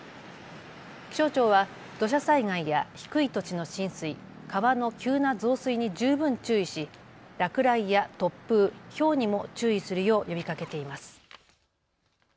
気象庁は土砂災害や低い土地の浸水、川の急な増水に十分注意し落雷や突風、ひょうにも注意するよう呼びかけています。